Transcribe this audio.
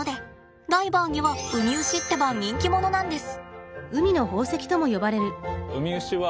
ダイバーにはウミウシってば人気者なんです。